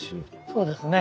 そうですね。